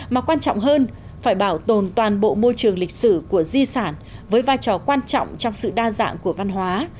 mà quan trọng hơn phải bảo tồn toàn bộ môi trường lịch sử của di sản với vai trò quan trọng trong sự đa dạng của văn hóa